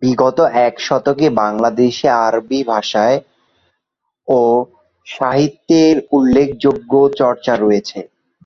বিগত এক শতকে বাংলাদেশে আরবি ভাষা ও সাহিত্যের উল্লেখযোগ্য চর্চা হয়েছে।